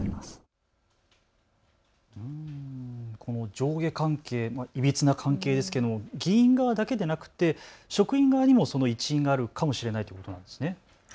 上下関係、いびつな関係ですが議員側だけでなくて職員側にもその一因があるかもしれないということですね。